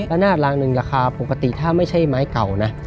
ละนาดลางนึงที่ถ้าไม่ใช่ไม้เก่านะ